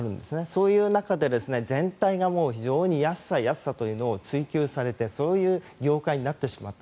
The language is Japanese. そういう中で全体が非常に安さというのを追求されてそういう業界になってしまった。